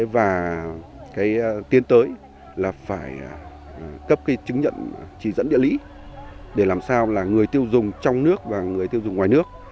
và tiến tới là phải cấp cái chứng nhận chỉ dẫn địa lý để làm sao là người tiêu dùng trong nước và người tiêu dùng ngoài nước